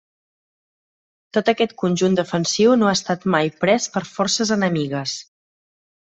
Tot aquest conjunt defensiu no ha estat mai pres per forces enemigues.